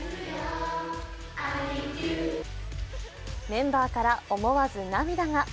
メンバーから思わず涙が。